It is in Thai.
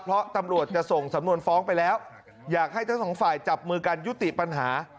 เพราะตำรวจจะส่งสำนวนฟ้องไปแล้วอยากให้ทั้งสองฝ่ายจับมือกันยุติปัญหา